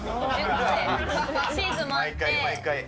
チーズもあって。